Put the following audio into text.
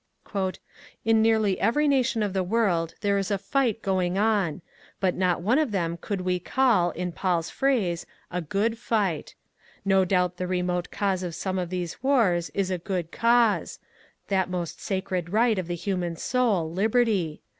In nearly every nation of the world there is a fight going on. But not one of them could we call, in Paul's phrase, ^^ a good fight." No doubt the remote cause of some of these wars is a good cause, — that most sacred right of the human soul, Liberty.